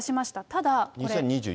ただこれ。